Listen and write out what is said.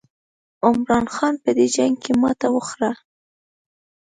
عمرا خان په دې جنګ کې ماته وخوړه.